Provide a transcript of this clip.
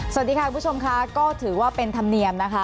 สวัสดีค่ะคุณผู้ชมค่ะก็ถือว่าเป็นธรรมเนียมนะคะ